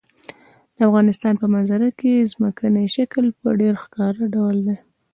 د افغانستان په منظره کې ځمکنی شکل په ډېر ښکاره ډول دی.